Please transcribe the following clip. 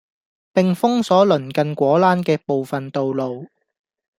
並封鎖鄰近果欄嘅部分道路